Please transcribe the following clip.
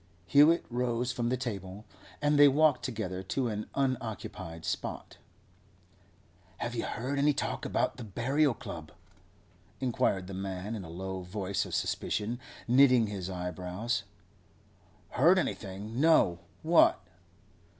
Hewett rose from the table, and they walked together to an unoccupied spot. 'Have you heard any talk about the Burial Club?' inquired the man, in a low voice of suspicion, knitting his eyebrows. 'Heard anything? No. What?